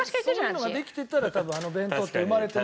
そういうのができてたら多分あの弁当って生まれてないから。